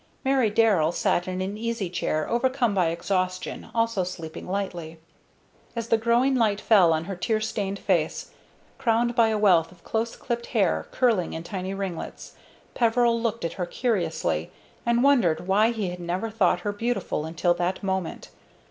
Mary Darrell sat in an easy chair, overcome by exhaustion, also sleeping lightly. As the growing light fell on her tear stained face, crowned by a wealth of close clipped hair curling in tiny ringlets, Peveril looked at her curiously, and wondered why he had never thought her beautiful until that moment.